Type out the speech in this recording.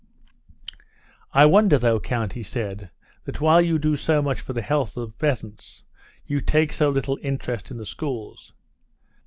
"I wonder, though, count," he said, "that while you do so much for the health of the peasants, you take so little interest in the schools."